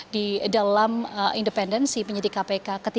di dalam independensi penyidik kpk